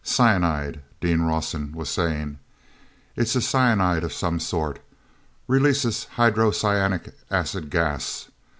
"Cyanide," Dean Rawson was saying. "It's a cyanide of some sort—releases hydrocyanic acid gas.